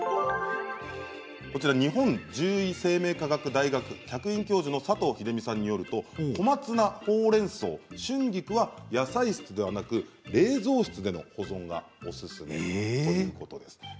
日本獣医生命科学大学客員教授の佐藤秀美さんによると小松菜、ほうれんそう、春菊は野菜室ではなく冷凍室での保存がおすすめです。